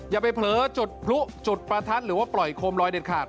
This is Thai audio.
อย่าไปเผลอจุดพลุจุดประทัดหรือว่าปล่อยโคมลอยเด็ดขาด